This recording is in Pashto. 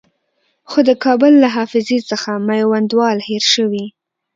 خو د کابل له حافظې څخه میوندوال هېر شوی.